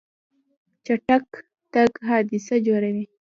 چټک تګ حادثه جوړوي.